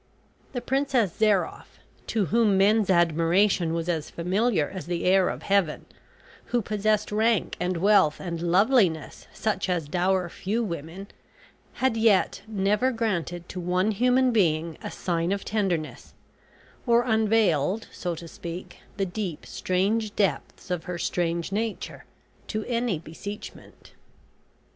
The Princess Zairoff, to whom men's admiration was as familiar as the air of Heaven, who possessed rank and wealth and loveliness such as dower few women, had yet never granted to one human being a sign of tenderness, or unveiled, so to speak, the deep strange depths of her strange nature, to any beseechment.